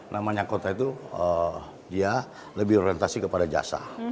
namanya kota itu dia lebih orientasi kepada jasa